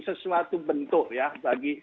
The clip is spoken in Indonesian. sesuatu bentuk ya bagi